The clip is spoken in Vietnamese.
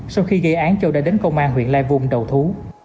sau khi gây án châu đã đến công an huyện lai vung đầu thú